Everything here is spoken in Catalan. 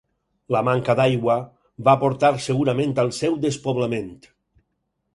La manca d'aigua va portar segurament al seu despoblament.